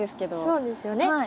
そうですよね。